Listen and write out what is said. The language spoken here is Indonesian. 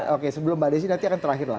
oke sebelum mbak desi nanti akan terakhirlah